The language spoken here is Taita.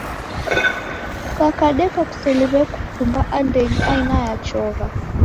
Kukakadeka kuseliw'e kukumba andenyi aina ya chogha.